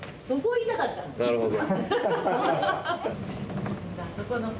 なるほど。